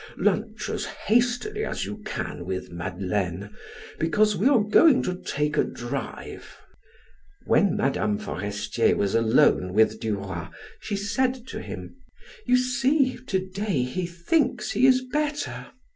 Lunch as hastily as you can with Madeleine, because we are going to take a drive." When Mme. Forestier was alone with Duroy, she said to him: "You see, to day he thinks he is better!